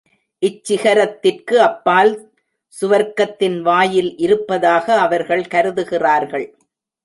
இச்சிகரத்திற்கு அப்பால் சுவர்க்கத்தின் வாயில் இருப்பதாக அவர்கள் கருதுகிறார்கள்.